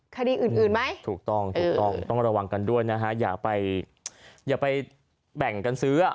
คดีอื่นไหมถูกต้องต้องระวังกันด้วยนะฮะอย่าไปแบ่งกันซื้อ